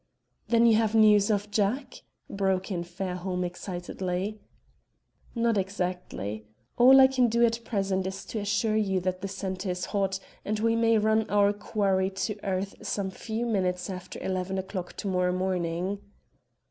"Then you have news of Jack?" broke in Fairholme excitedly. "Not exactly. All I can do at present is to assure you that the scent is hot, and we may run our quarry to earth some few minutes after eleven o'clock to morrow morning."